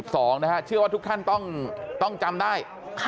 เพราะฉะนั้นผมเชื่อว่าทุกท่านต้องจับได้